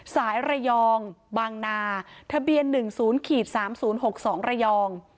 สายระยองบางนาทะเบียน๑๐๓๐๖๒ระยอง